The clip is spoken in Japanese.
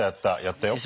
やったよ。